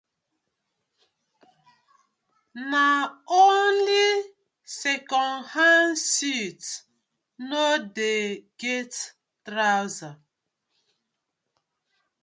Na only second hand suit no dey get trouser.